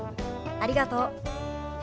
ありがとう。